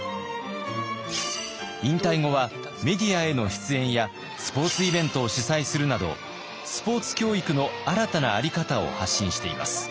引退後はメディアへの出演やスポーツイベントを主催するなどスポーツ教育の新たなあり方を発信しています。